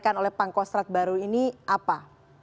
dan harus diselesaikan oleh pangkosrat baru ini apa